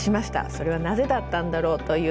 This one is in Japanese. それはなぜだったんだろうという。